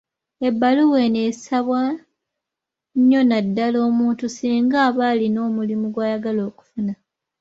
Ebbaluwa eno esabwa nnyo naddala omuntu singa aba alina omulimu gw'ayagala okufuna.